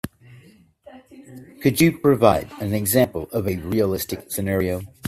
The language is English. Could you provide an example of a realistic scenario?